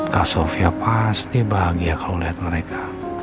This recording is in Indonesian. kak sofia pasti bahagia kalau lihat mereka